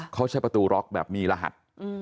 เขาใช้ประตูล็อกแบบมีรหัส